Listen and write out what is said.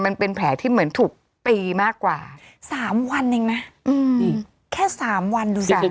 มันเป็นแผลที่เหมือนถูกตีมากกว่า๓วันเองนะแค่๓วันดูสิ